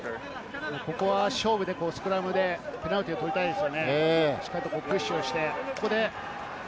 ここは勝負で、スクラムでペナルティーをとりたいですよね。